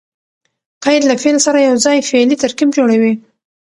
قید له فعل سره یوځای فعلي ترکیب جوړوي.